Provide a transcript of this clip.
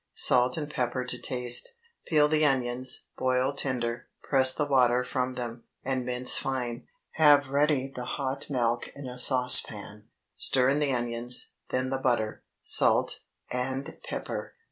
Salt and pepper to taste. Peel the onions, boil tender, press the water from them, and mince fine. Have ready the hot milk in a saucepan; stir in the onions, then the butter, salt, and pepper.